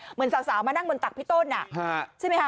เหมือนสาวมานั่งบนตักพี่ต้นใช่ไหมคะ